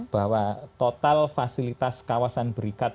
bahwa total fasilitas kawasan berikat